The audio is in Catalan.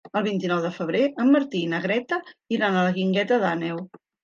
El vint-i-nou de febrer en Martí i na Greta iran a la Guingueta d'Àneu.